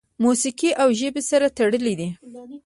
موسیقي او ژبه سره تړلي دي.